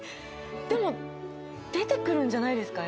でも出てくるんじゃないですか？